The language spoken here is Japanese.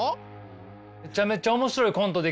めちゃめちゃ面白いコントで